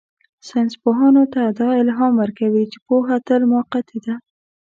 ساینسپوهانو ته دا الهام ورکوي چې پوهه تل موقتي ده.